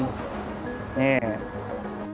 waktunya makan siang betran